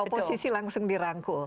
oposisi langsung dirangkul